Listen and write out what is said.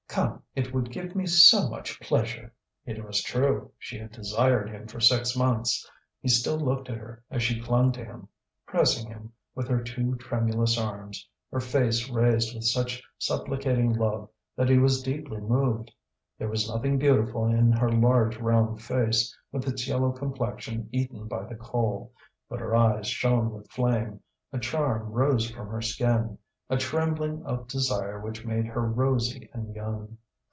Come, it would give me so much pleasure." It was true, she had desired him for six months. He still looked at her as she clung to him, pressing him with her two tremulous arms, her face raised with such supplicating love that he was deeply moved. There was nothing beautiful in her large round face, with its yellow complexion eaten by the coal; but her eyes shone with flame, a charm rose from her skin, a trembling of desire which made her rosy and young.